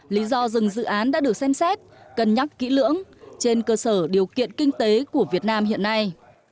lý do dừng dự án đã được xem xét cân nhắc kỹ lưỡng trên cơ sở điều kiện kinh tế của việt nam hiện nay